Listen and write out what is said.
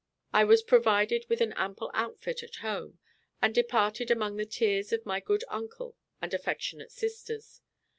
I was provided with an ample outfit at home, and departed amid the tears of my good uncle and affectionate sisters.